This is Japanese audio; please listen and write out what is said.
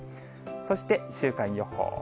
そして、週間予報。